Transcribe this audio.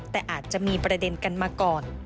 แต่อาจจะมีประเด็นกันมาก่อน